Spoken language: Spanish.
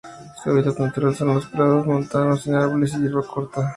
Su hábitat natural son los prados montanos sin árboles y hierba corta.